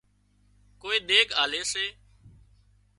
ڪوئي ۮيڳ آلي سي